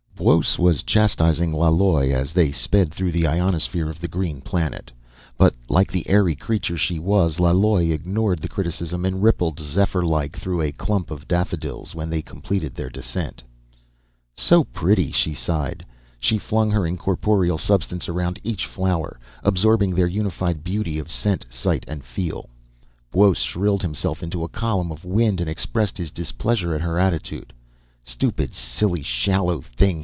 _ Buos was chastising Laloi as they sped through the ionosphere of the green planet. But like the airy creature she was, Laloi ignored the criticism and rippled zephyr like through a clump of daffodils when they completed their descent. "So pretty," she sighed. She flung her incorporeal substance around each flower, absorbing their unified beauty of scent, sight, and feel. Buos shrilled himself into a column of wind to express his displeasure at her attitude. "Stupid, silly, shallow thing!"